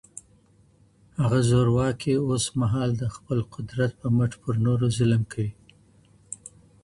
هغه زورواکی اوسمهال د خپل قدرت په مټ پر نورو ظلم کوي.